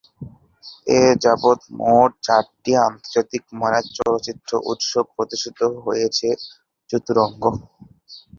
এযাবৎ মোট চারটি আন্তর্জাতিক মানের চলচ্চিত্র উৎসবে প্রদর্শিত হয়েছে "চতুরঙ্গ"।